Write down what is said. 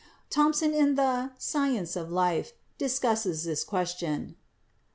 Thompson in the 'Science of Life' discusses this question.